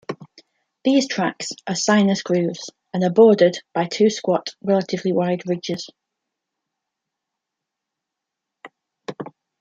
These tracks are sinuous grooves, and are bordered by two squat, relatively wide ridges.